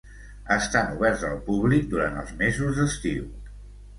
Estan oberts al públic durant els mesos d'estiu.